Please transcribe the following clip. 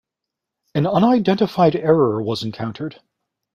An unidentified error was encountered.